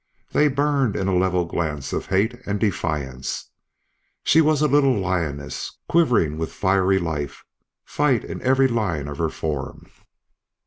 They burned in a level glance of hate and defiance. She was a little lioness, quivering with fiery life, fight in every line of her form.